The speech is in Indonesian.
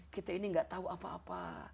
kita ini nggak tahu apa apa